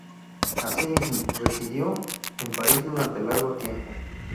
Asimismo, residió en París durante largo tiempo.